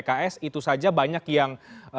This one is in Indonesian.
pks itu saja banyak yang